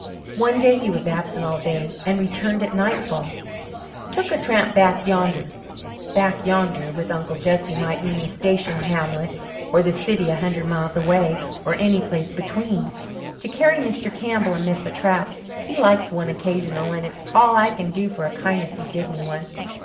One day he was absent all day and returned at nightfall. "Took a tramp back yander." "Back yander" with Uncle Jesse might mean the station hamlet or the city a hundred miles away or any place between "to carry Mr. Kimball a mess of trout. He likes one occasional and it's all I can do for a kindness he did me once.